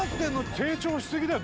成長しすぎだよ！